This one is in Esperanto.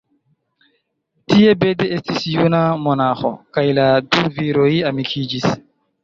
Tie Bede estis juna monaĥo, kaj la du viroj amikiĝis.